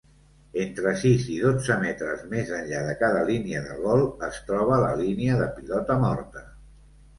Entre sis i dotze metres mes enllà de cada línia de gol, es troba la línia de pilota morta.